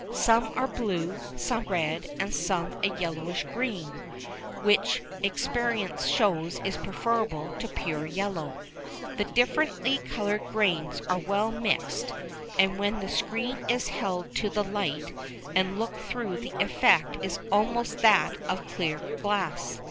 Some are blue, some red, and some a yellowish green, which experience shows is preferable to pure yellow. The differently coloured grains are well mixed, and when the screen is held to the light and looked through the effect is almost that of clear glass.